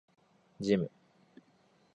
ジム